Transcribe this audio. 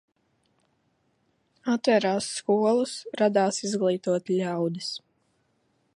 Atvērās skolas, radās izglītoti ļaudis.